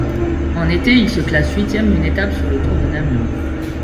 En été, il se classe huitième d'une étape sur le Tour de Namur.